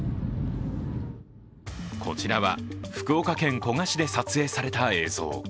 こちらは福岡県古賀市で撮影された映像。